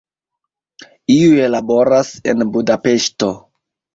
Iuj laboras en Budapeŝto.